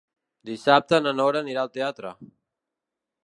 Dissabte na Nora anirà al teatre.